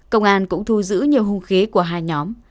công an cũng thu giữ nhiều hung khí của hai nhóm